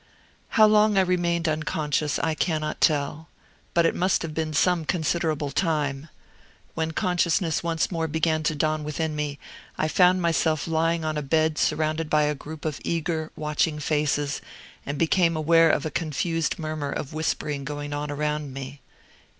...... How long I remained unconscious, I cannot tell. But it must have been some considerable time. When consciousness once more began to dawn within me, I found myself lying on a bed surrounded by a group of eager, watching faces, and became aware of a confused murmur of whispering going on around me.